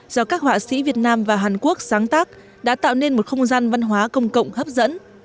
do các họa sĩ việt nam và hàn quốc sáng tác đã tạo nên một không gian văn hóa công cộng hấp dẫn